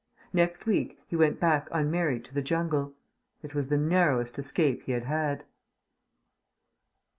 Next week he went back unmarried to the jungle. It was the narrowest escape he had had.